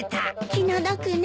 気の毒ね。